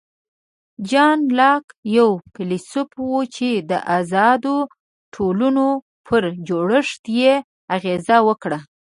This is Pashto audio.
جان لاک یو فیلسوف و چې د آزادو ټولنو پر جوړښت یې اغېز وکړ.